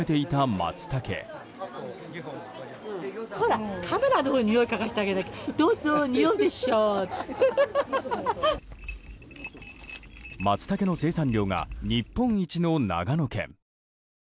マツタケの生産量が日本一の長野県。